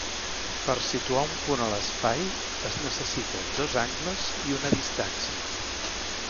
Per situar un punt a l'espai es necessita dos angles i una distància.